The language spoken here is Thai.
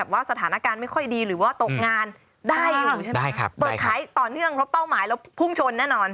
เปิดขายต่อเนื่องเพราะเป้าหมายแล้วพุ่งชนแน่นอน